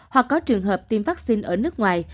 hoặc có trường hợp tiêm vaccine ở nước ngoài